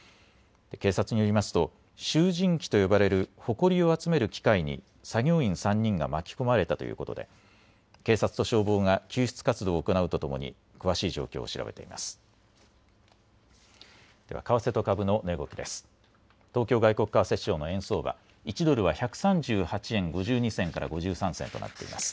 警察によりますと集じん機と呼ばれるほこりを集める機械に作業員３人が巻き込まれたということで警察と消防が救出活動を行うとともに詳しい状況を調べています。